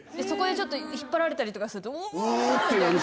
そこでちょっと引っ張られたりとかすると、おーって。